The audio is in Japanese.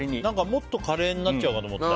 もっとカレーになっちゃうかと思った。